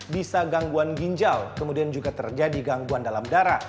bisa gangguan ginjal kemudian juga terjadi gangguan dalam darah